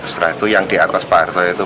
setelah itu yang di atas pak harto itu